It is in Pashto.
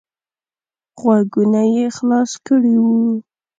غوږونه یې خلاص کړي وو.